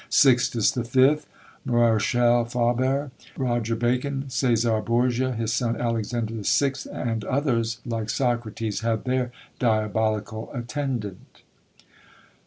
Sixtus the Fifth, Marechal Faber, Roger Bacon, Cæsar Borgia, his son Alexander VI., and others, like Socrates, had their diabolical attendant.